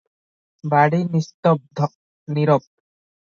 ବାଡ଼ି ନିସ୍ତବ୍ଧ, ନୀରବ ।